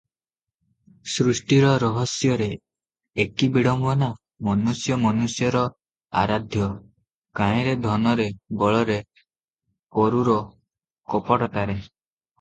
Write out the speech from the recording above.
ସୃଷ୍ଟିର ରହସ୍ୟରେ ଏକି ବିଡ଼ମ୍ବନା! ମନୁଷ୍ୟ ମନୁଷ୍ୟର ଆରାଧ୍ୟ- କାହିଁରେ ଧନରେ ବଳରେ- କ୍ରୁର- କପଟତାରେ ।